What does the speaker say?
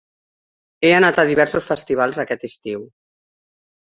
He anat a diversos festivals aquest estiu.